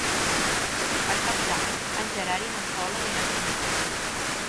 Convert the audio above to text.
Per Cap d'Any en Gerard i na Sol aniran al metge.